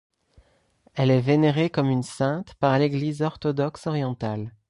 Elle est vénéré comme une sainte par l'Église orthodoxe orientale.